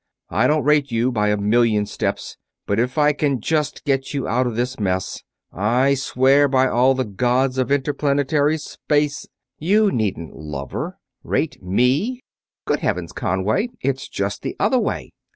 I don't rate you, by a million steps; but if I can just get you out of this mess, I swear by all the gods of interplanetary space...." "You needn't, lover. Rate me? Good Heavens, Conway! It's just the other way...."